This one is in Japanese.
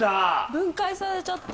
分解させちゃった。